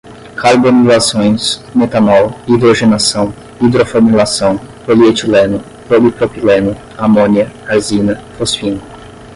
carbonilações, metanol, hidrogenação, hidroformilação, polietileno, polipropileno, amônia, arsina, fosfina